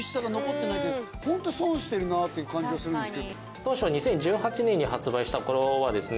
当初２０１８年に発売した頃はですね